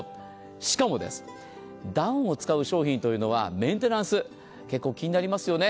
しかもダウンを使う商品というのはメンテナンス結構気になりますよね。